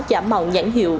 giảm màu nhãn hiệu